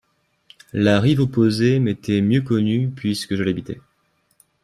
La rive opposée m'était mieux connue puisque je l'habitais.